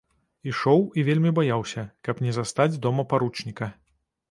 Ішоў і вельмі баяўся, каб не застаць дома паручніка.